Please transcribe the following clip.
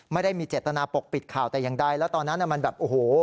ไม่ได้มีเจษนาปกปิดข่าวแต่ยังได้ตอนนั้นแบบโอ้โห